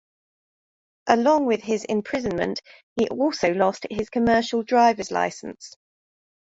Along with his imprisonment, he also lost his Commercial driver's license.